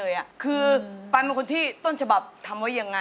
อยากจะได้แอบอิ่ง